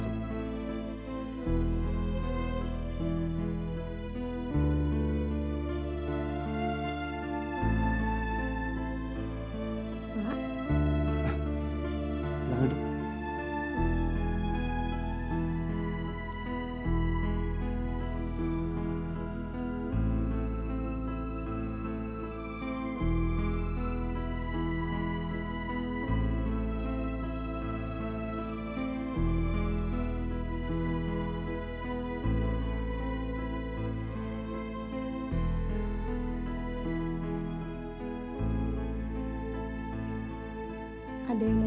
ada yang mau bapak sampaikan ke saya